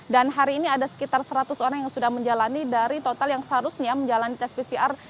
dan hari ini ada sekitar seratus orang yang sudah menjalani dari total yang seharusnya menjalani tes pcr